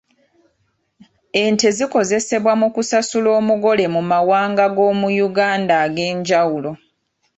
Ente zikozesebwa mu kusasula omugole mu mawanga g'omu Uganda ag'enjawulo.